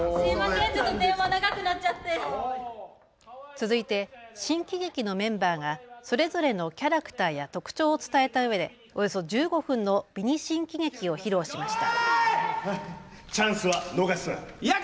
続いて新喜劇のメンバーがそれぞれのキャラクターや特徴を伝えたうえでおよそ１５分のミニ新喜劇を披露しました。